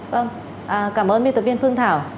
vâng cảm ơn biên tập viên phương thảo